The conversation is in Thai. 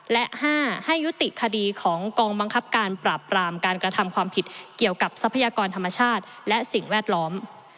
และ๕ให้ยุติคดีของกองบังคับการปราบปรามการกระทำความผิดเกี่ยวกับทรัพยากรธรรมชาติและสิ่งแวดล้อม